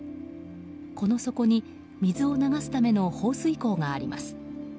この底に水を流すための放水口があります。